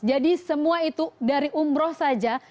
jadi semua itu dari umroh saja